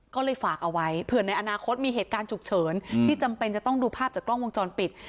ก็เลยฝากเอาไว้เผื่อในอนาคตมีเหตุการณ์ฉุกเฉินที่จำเป็นจะต้องดูภาพจากกล้องวงจรปิด